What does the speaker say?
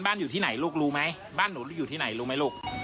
แม่หนูบอกว่าจะกลับบ้านบ้านอยู่ที่ไหนลูกรู้ไหม